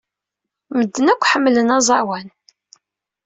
Medden akk ḥemmlen aẓawan.